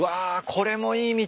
これもいい道。